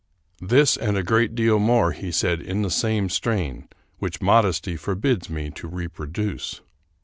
This and a great deal more he said in the same strain, which modesty forbids me to reproduce.